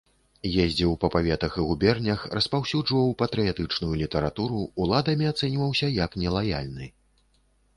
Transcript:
Ездзіў па паветах і губернях, распаўсюджваў патрыятычную літаратуру, уладамі ацэньваўся як нелаяльны.